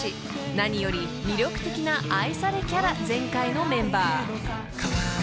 ［何より魅力的な愛されキャラ全開のメンバー］